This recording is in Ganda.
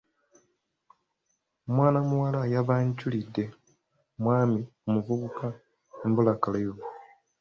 Mwana muwala yabanjulidde omwami omuvubuka embulakalevu.